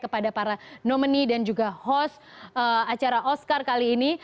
kepada para nomini dan juga host acara oscar kali ini